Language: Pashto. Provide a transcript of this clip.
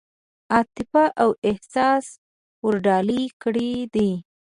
عاطفه او احساس ورډالۍ کړي دي.